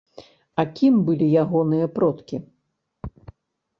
А кім былі ягоныя продкі?